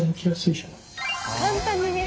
簡単にね。